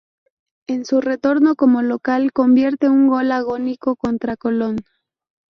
En su retorno como local convierte un gol agónico contra Colón.